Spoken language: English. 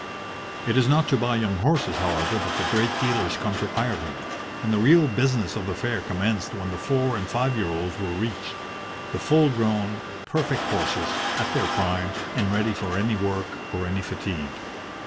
It is not to buy young horses, however, that the great dealers come to Ireland, and the real business of the fair commenced when the four and five year olds were reached; the full grown, perfect horses, at their prime, and ready for any work or any fatigue.